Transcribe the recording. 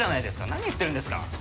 何言ってるんですか。